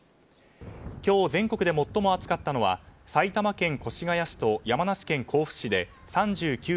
今日、全国で最も暑かったのは埼玉県越谷市と山梨県甲府市で３９．５度。